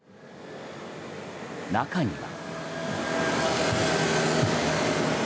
中には。